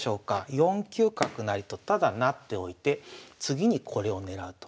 ４九角成とただ成っておいて次にこれを狙うと。